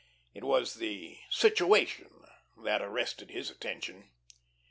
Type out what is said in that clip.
It was the "situation" that arrested his attention.